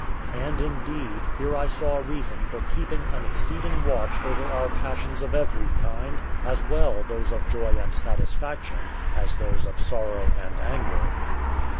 And, indeed, here I saw reason for keeping an exceeding watch over our passions of every kind, as well those of joy and satisfaction as those of sorrow and anger.